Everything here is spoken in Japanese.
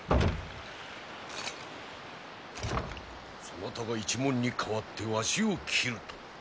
そなたが一門に代わってわしを斬ると？